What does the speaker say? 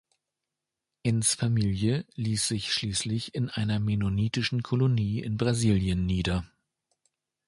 Enns’ Familie ließ sich schließlich in einer mennonitischen Kolonie in Brasilien nieder.